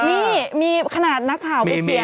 นี่มีขณะหนักข่าวเพียร